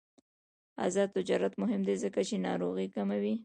آزاد تجارت مهم دی ځکه چې ناروغۍ کموي.